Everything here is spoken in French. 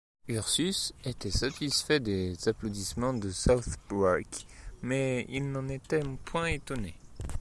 Ursus était satisfait des applaudissements de Southwark, mais il n’en était point étonné.